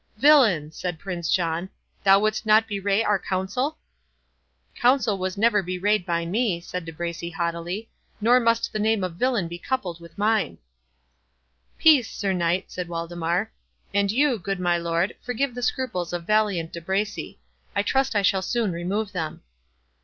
"Villain!" said Prince John, "thou wouldst not bewray our counsel?" "Counsel was never bewrayed by me," said De Bracy, haughtily, "nor must the name of villain be coupled with mine!" "Peace, Sir Knight!" said Waldemar; "and you, good my lord, forgive the scruples of valiant De Bracy; I trust I shall soon remove them."